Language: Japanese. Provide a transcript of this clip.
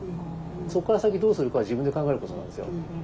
そこから先どうするかは自分で考えることなんですよ。